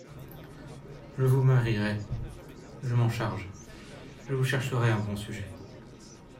Je vous marierai… je m’en charge… je vous chercherai un bon sujet…